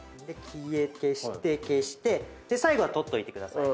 消して消して最後は取っといてください。